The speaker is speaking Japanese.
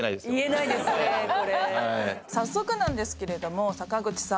早速なんですけれども坂口さん